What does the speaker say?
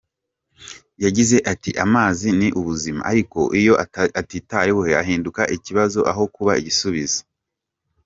Yagize ati Amazi ni ubuzima ariko iyo atitaweho ahinduka ikibazo aho kuba igisubizo".